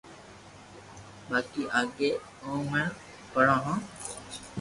باقي آگي اومون ھي پڙو ھون